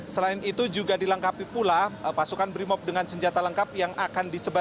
selain itu juga dilengkapi pula pasukan brimob dengan senjata lengkap yang akan disebarkan